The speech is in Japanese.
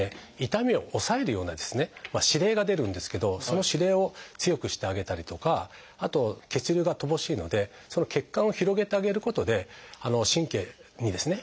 痛みを抑えるような指令が出るんですけどその指令を強くしてあげたりとかあと血流が乏しいのでその血管を広げてあげることで神経にですね